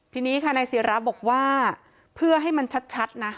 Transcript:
ทีนี้ค่ะนายศิราบอกว่าเพื่อให้มันชัดนะ